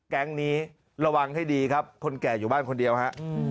แก๊งนี้ระวังให้ดีครับคนแก่อยู่บ้านคนเดียวฮะ